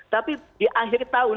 tapi di akhir tahun